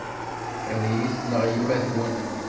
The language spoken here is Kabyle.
Ad iyi-tneɣ yemma-twen.